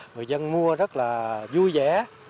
người dân mua rất là vui vẻ